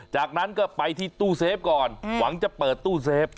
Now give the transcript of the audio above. จากนั้นก็ไปที่ตู้เซฟก่อนหวังจะเปิดตู้เซฟ